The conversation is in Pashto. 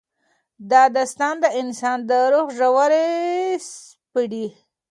دا داستان د انسان د روح ژورې سپړي.